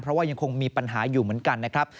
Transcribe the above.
เพราะว่ายังคงมีปัญหาอยู่เหมือนกันนะครับ